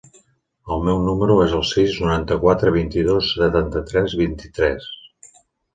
El meu número es el sis, noranta-quatre, vint-i-dos, setanta-tres, vint-i-tres.